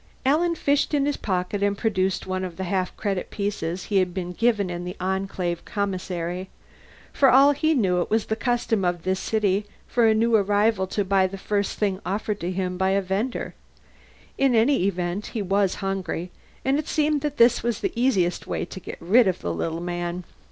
Alan fished in his pocket and produced one of the half credit pieces he had been given in the Enclave commissary. For all he knew it was the custom of this city for a new arrival to buy the first thing offered to him by a vender; in any event, he was hungry, and it seemed that this was the easiest way to get rid of the little man.